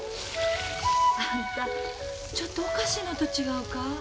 あんたちょっとおかしいのと違うか？